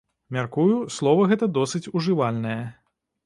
Мяркую, слова гэта досыць ужывальнае.